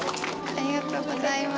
おめでとうございます。